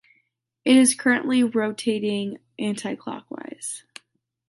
It is currently rotating anticlockwise.